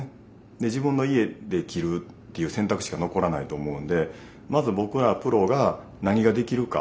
で自分の家で切るっていう選択しか残らないと思うんでまず僕らプロが何ができるか。